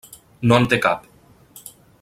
No en té cap.